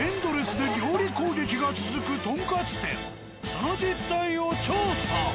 その実態を調査。